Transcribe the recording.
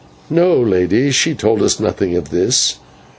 "No, Lady, she told us nothing of all this.